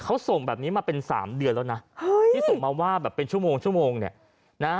เขาส่งแบบนี้มาเป็นสามเดือนแล้วนะเฮ้ยที่ส่งมาว่าแบบเป็นชั่วโมงชั่วโมงเนี่ยนะฮะ